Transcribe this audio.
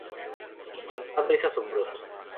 El resultado es asombroso.